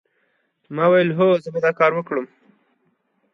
ما وویل هو زه به دا کار وکړم